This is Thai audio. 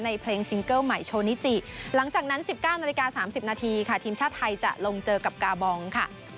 เพลงซิงเกิ้ลใหม่โชนิจิหลังจากนั้น๑๙นาฬิกา๓๐นาทีค่ะทีมชาติไทยจะลงเจอกับกาบองค่ะ